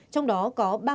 trong đó có